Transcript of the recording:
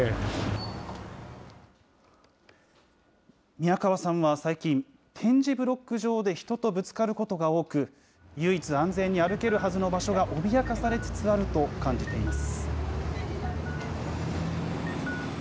宮川さんは最近、点字ブロック上で人とぶつかることが多く、唯一、安全に歩けるはずの場所が脅かされつつあると感じています。